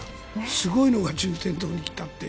すごいのが順天堂にいたって。